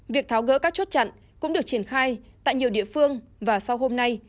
việc tháo gỡ các chốt chặn cũng được triển khai tại nhiều địa phương và sau hôm nay